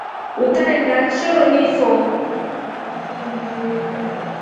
Utaenda shoroni fo.